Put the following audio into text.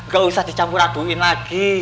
gak usah dicampur aduin lagi